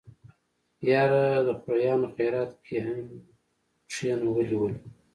يره د خوريانو خيرات کې يم کنه ولې ولې.